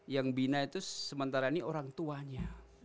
yang bina itu sementara ini orang tuanya